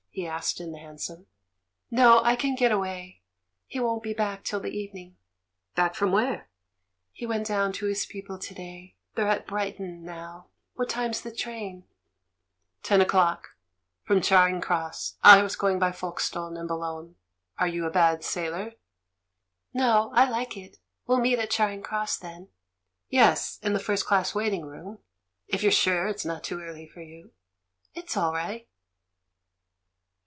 he asked in the hansom. "No, I can get away — he won't be back till the evening." "Back from where?" "He went down to his people to day — they're at Brighton now. What time's the train?" "Ten o'clock — from Charing Cross ; I was go ing by Folkestone and Boulogne. Are you a bad sailor?" "No, I like it. We'll meet at Charing Cross, then?" "Yes; in the first class waiting room — if you're sure it's not too early for you?" "It's all right.